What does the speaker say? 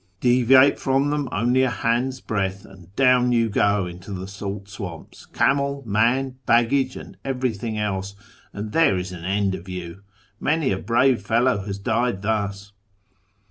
Deviate from them only a hand's breath, and down you go into the salt swamps, camel, man, baggage, and everything else, and there is an end of you. Many a brave fellow has died thus.